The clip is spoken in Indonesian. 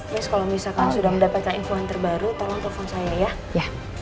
yes kalau misalkan sudah mendapatkan info yang terbaru tolong telepon saya ya